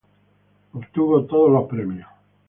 Obtuvo todos los premios.